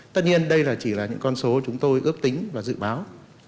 tất nhiên đây chỉ là những con số chúng tôi ước tính và dự báo